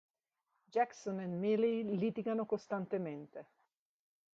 Jackson e Miley litigano costantemente.